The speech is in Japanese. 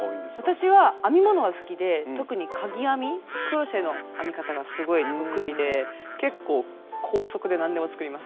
私は編み物が好きで特にかぎ編みクロッシェの編み方がすごい得意で結構高速で何でも作ります。